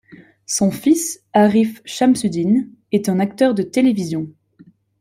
Son fils, Arif Shamsuddin, est un acteur de télévision.